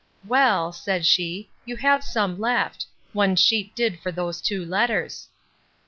Well, said she, you have some left; one sheet did for those two letters.